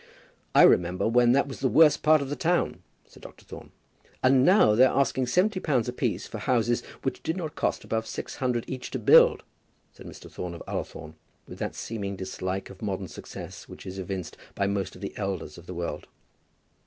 "I remember when that was the very worst part of the town," said Dr. Thorne. "And now they're asking seventy pounds apiece for houses which did not cost above six hundred each to build," said Mr. Thorne of Ullathorne, with that seeming dislike of modern success which is evinced by most of the elders of the world.